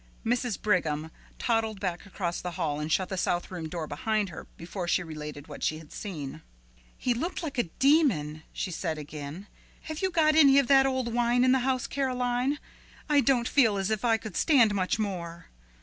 Mrs. Brigham toddled back across the hall and shut the south room door behind her before she related what she had seen. "He looked like a demon," she said again. "Have you got any of that old wine in the house, Caroline? I don't feel as if I could stand much more."